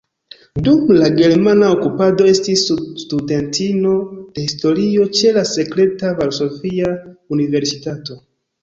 Dum la germana okupado estis studentino de historio ĉe la sekreta Varsovia Universitato.